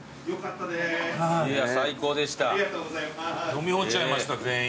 飲み干しちゃいました全員。